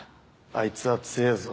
あいつは強えぞ。